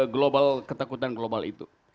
global ketakutan global itu